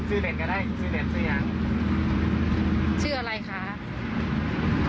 คือสิ่งที่เราติดตามคือสิ่งที่เราติดตาม